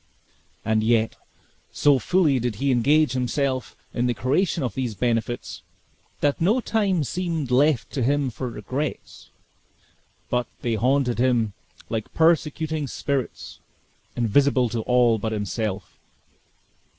And yet, so fully did he engage himself in the creation of these benefits, that no time seemed left to him for regrets; but they haunted him like persecuting spirits, invisible to all but himself.